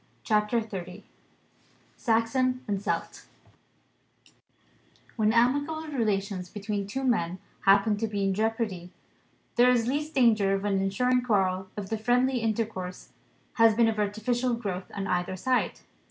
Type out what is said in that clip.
CHAPTER XXX SAXON AND CELT WHEN amicable relations between two men happen to be in jeopardy, there is least danger of an ensuing quarrel if the friendly intercourse has been of artificial growth, on either side.